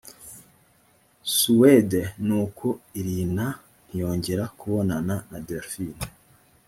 suwede nuko irina ntiyongera kubonana na delphine